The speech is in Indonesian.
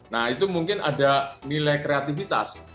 nah itu mungkin ada nilai kreativitas